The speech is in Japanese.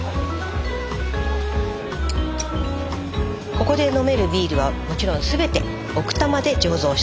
ここで飲めるビールはもちろん全て奥多摩で醸造したもの。